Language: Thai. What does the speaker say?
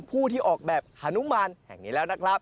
ผู้ที่ออกแบบฮานุมานแห่งนี้แล้วนะครับ